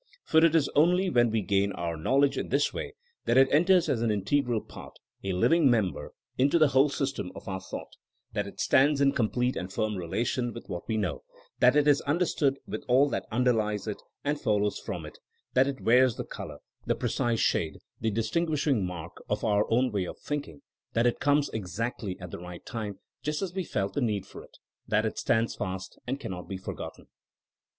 For it is only when we gain our knowledge in this way that it enters 148 THINKING AS A SCIENCE as an integral part, a living member, into the whole system of our thought; that it stands in complete and firm relation with what we know, that it is understood with all that underlies it and follows from it, that it wears the color, the precise shade, the distinguishing mark, of our own way of thinking, that it comes exactly at the right time, just as we felt the need for it ; that it stands fast and cannot be forgotten.